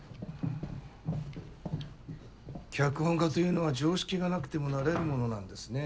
脚本家というのは常識がなくてもなれるものなんですね。